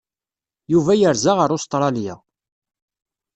Yuba yerza ar Ustṛalya.